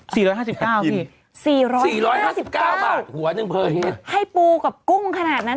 สี่ร้อยห้าสิบเก้าสี่ร้อยห้าสิบเก้าหัวหนึ่งเผยให้ปูกับกุ้งขนาดนั้น